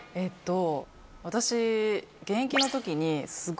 私。